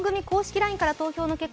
ＬＩＮＥから投票の結果